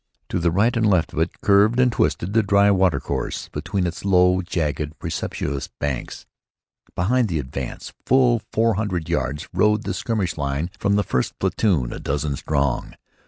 To the right and left of it curved and twisted the dry water course between its low, jagged, precipitous banks. Behind the advance, full four hundred yards, rode the skirmish line from the first platoon, a dozen strong.